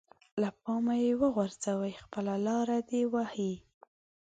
له پامه يې وغورځوي خپله لاره دې وهي.